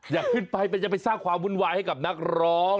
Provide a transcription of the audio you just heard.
อย่าขึ้นไปมันจะไปสร้างความวุ่นวายให้กับนักร้อง